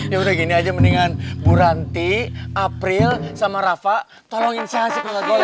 ya udah gini aja mendingan bu ranti april sama rafa tolongin si hansifer gak goler ya